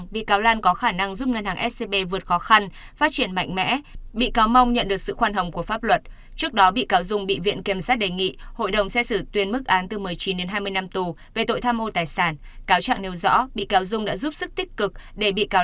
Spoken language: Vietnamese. bị cáo lan khai những người đứng tên này hoàn toàn không biết mặt bị cáo và cũng không biết đứng tên giúp bị cáo